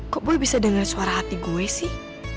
kok boy bisa denger suara hati gue sih